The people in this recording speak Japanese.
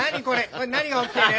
これ何が起きている？